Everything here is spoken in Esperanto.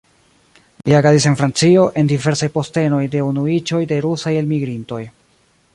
Li agadis en Francio en diversaj postenoj de Unuiĝoj de rusaj elmigrintoj.